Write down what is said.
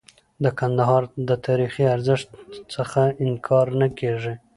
د کندهار د تاریخي ارزښت څخه انکار نه کيږي.